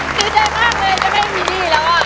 ดีใจมากเลยจะไม่มีหนี้แล้วอ่ะ